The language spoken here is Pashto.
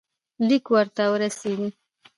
لیک ورته ورسېدی.